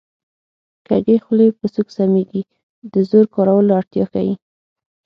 کږې خولې په سوک سمېږي د زور کارولو اړتیا ښيي